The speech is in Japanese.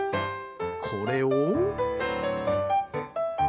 これを。